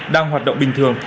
đang hoạt động bình thường